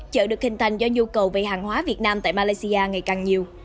chợ được hình thành do nhu cầu về hàng hóa việt nam tại malaysia ngày càng nhiều